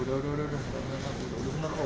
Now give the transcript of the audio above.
yang diserahkan bapak saya